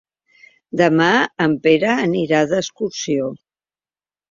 Demà en Pere anirà d'excursió.